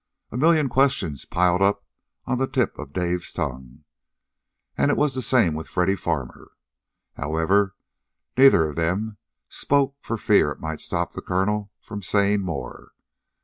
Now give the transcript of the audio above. A million questions piled up on the tip of Dave's tongue. And it was the same with Freddy Farmer. However, neither one of them spoke for fear it might stop the Colonel from saying more.